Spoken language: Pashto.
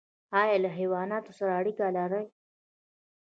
ایا له حیواناتو سره اړیکه لرئ؟